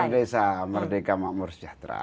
merdesa merdeka makmur sejahtera